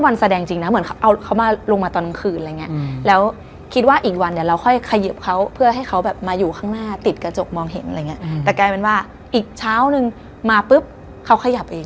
เพราะว่าเราเลิกถ่ายเที่ยงคืน